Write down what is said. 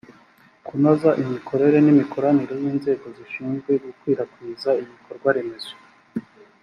kunoza imikorere n imikoranire y inzego zishinzwe gukwirakwiza ibikorwaremezo